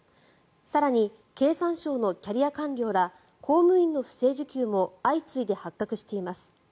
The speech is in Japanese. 更に、経産省のキャリア官僚ら公務員の不正受給も相次いで発覚しています。